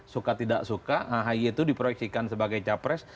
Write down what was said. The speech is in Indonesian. suka tidak suka ahy itu diproyeksikan sebagai capres